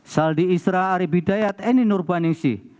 shaldi isra arieb hidayat eni nurbaningsi